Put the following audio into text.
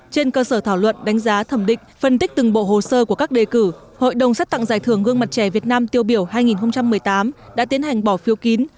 trên cơ sở thảo luận đánh giá thẩm định phân tích từng bộ hồ sơ của các đề cử hội đồng xét tặng giải thưởng gương mặt trẻ việt nam tiêu biểu hai nghìn một mươi tám đã tiến hành bỏ phiếu kín